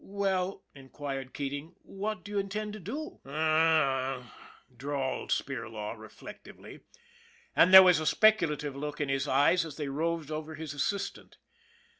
" Well," inquired Keating, " what do you intend to do?" " H'm m," drawled Spirlaw reflectively, and there was a speculative look in his eyes as they roved over his assistant.